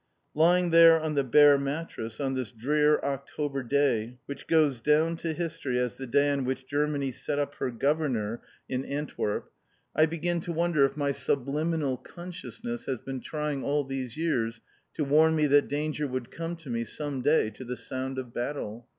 Lying there on the bare mattress, on this drear October day which goes down to history as the day on which Germany set up her Governor in Antwerp, I begin to wonder if my sublimable consciousness has been trying, all these years, to warn me that danger would come to me some day to the sound of battle.